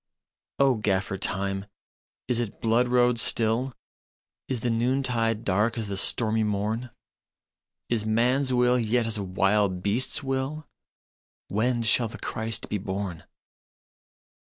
" O Gaffer Time, is it blood road still? Is the noontide dark as the stormy morn? Is man s will yet as a wild beast s will? When shall the Christ be born?